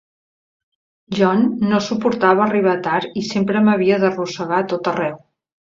John no suportava arribar tard i sempre m'havia d'arrossegar a tot arreu.